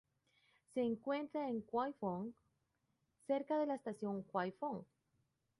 Se encuentra en Kwai Fong, cerca de la estación Kwai Fong.